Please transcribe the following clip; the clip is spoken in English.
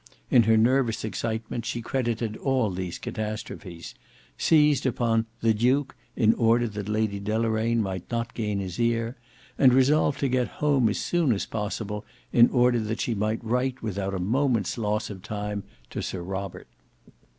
In her nervous excitement she credited all these catastrophes; seized upon "the Duke" in order that Lady Deloraine might not gain his ear, and resolved to get home as soon as possible, in order that she might write without a moment's loss of time to Sir Robert.